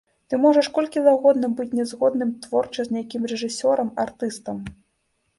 Ты можаш колькі заўгодна быць не згодным творча з нейкім рэжысёрам, артыстам.